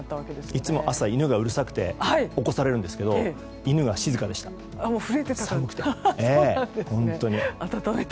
いつも、朝犬がうるさくて起こされるんですが静かでした、寒くて。